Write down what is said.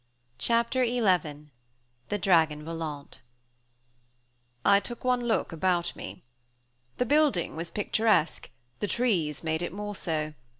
Chapter XI THE DRAGON VOLANT I took one look about me. The building was picturesque; the trees made it more so.